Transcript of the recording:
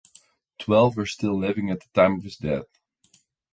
Twelve were still living at the time of his death.